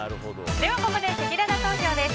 ここでせきらら投票です。